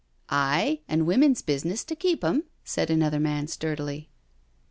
" Aye, an' women's business to keep them," said another man sturdily.